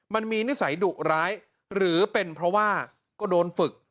นิสัยดุร้ายหรือเป็นเพราะว่าก็โดนฝึก